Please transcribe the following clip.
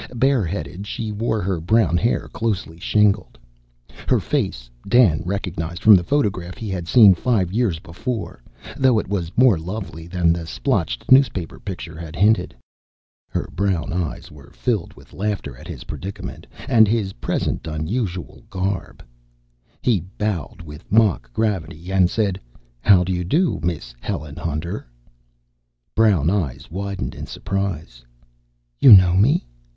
Bareheaded, she wore her brown hair closely shingled. Her face, Dan recognized from the photograph he had seen five years before, though it was more lovely than the splotched newspaper picture had hinted. Her brown eyes were filled with laughter at his predicament and his present unusual garb. He bowed with mock gravity and said, "How do you do, Miss Helen Hunter?" Brown eyes widened in surprise. "You know me?"